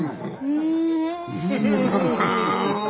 うん。